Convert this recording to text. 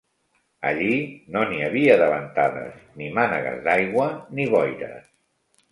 Allí no n'hi havia de ventades, ni mànegues d'aigua, ni boires